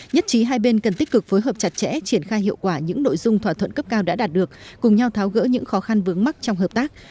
nhất trí hai bên cần tích cực phối hợp chặt chẽ triển khai hiệu quả những nội dung thỏa thuận cấp cao đã đạt được cùng nhau tháo gỡ những khó khăn vướng mắt trong hợp tác